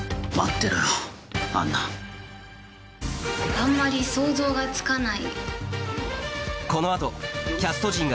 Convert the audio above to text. あんまり想像がつかない。